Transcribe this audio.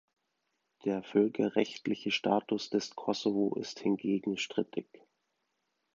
Der völkerrechtliche Status des Kosovo ist hingegen strittig.